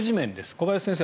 小林先生